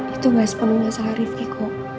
itu gak sepenuhnya salah rifki kok